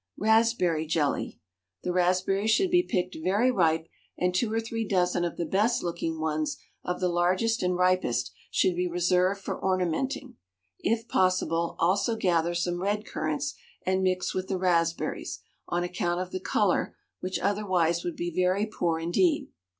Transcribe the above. RASPBERRY JELLY. The raspberries should be picked very ripe, and two or three dozen of the best looking ones of the largest and ripest should be reserved for ornamenting. If possible, also gather some red currants and mix with the raspberries, on account of the colour, which otherwise would be very poor indeed.